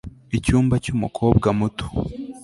Icyumba cyumukobwa muto